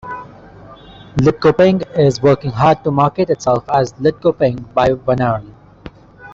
Lidköping is working hard to market itself as "Lidköping by Vänern".